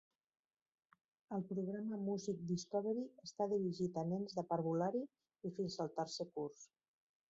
El programa Music Discovery està dirigit a nens de parvulari i fins al tercer curs.